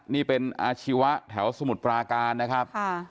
นี่เป็นอาชีวะแถวสมุทรปราการนะครับ